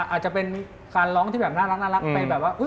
อาจจะเป็นการร้องที่น่ารัก